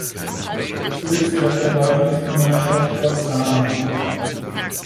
Sitz der Verwaltungsgemeinschaft war Zahna.